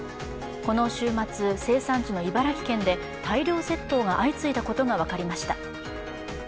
この週末、生産地の茨城県で大量窃盗が相次いだことが分かりました。